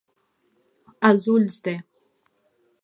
Als ulls de.